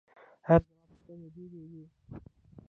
ایا زما پوښتنې ډیرې وې؟